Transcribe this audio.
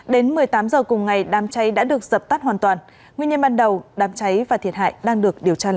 đến một mươi tám h cùng ngày đám cháy đã được dập tắt hoàn toàn nguyên nhân ban đầu đám cháy và thiệt hại đang được điều tra làm rõ